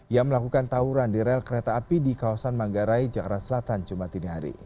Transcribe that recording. yang melakukan tawuran di rel kereta api di kawasan manggarai jakarta selatan jumat ini hari